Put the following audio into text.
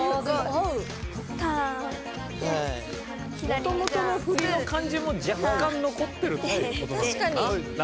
もともとの振りの感じも若干残ってるっていうことなのかな？